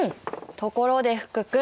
ところで福君。